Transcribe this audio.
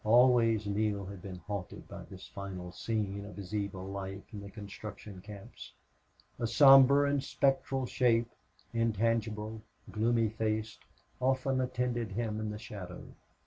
Always Neale had been haunted by this final scene of his evil life in the construction camps. A somber and spectral shape, intangible, gloomy faced, often, attended him in the shadow.